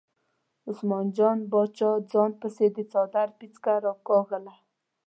عثمان جان باچا ځان پسې د څادر پیڅکه راکاږله.